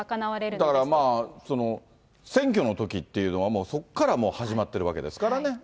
だからまあ、選挙のときっていうのはもう、そこから始まっているわけですからね。